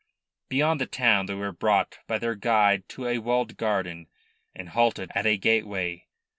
Beyond the town they were brought by their guide to a walled garden, and halted at a gateway.